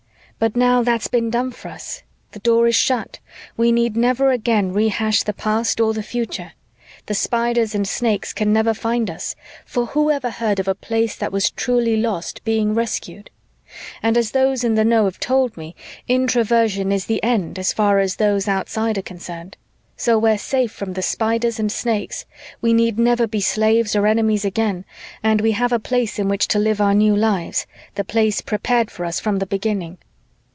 But now that's been done for us: the Door is shut, we need never again rehash the past or the future. The Spiders and Snakes can never find us, for who ever heard of a Place that was truly lost being rescued? And as those in the know have told me, Introversion is the end as far as those outside are concerned. So we're safe from the Spiders and Snakes, we need never be slaves or enemies again, and we have a Place in which to live our new lives, the Place prepared for us from the beginning."